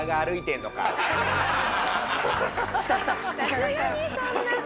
さすがにそんな。